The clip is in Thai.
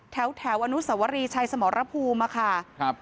แถวอนุสวรีชัยสมรภูมิมาค่ะครับ